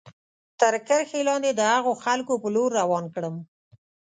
تر کرښې لاندې د هغو خلکو په لور روان کړم.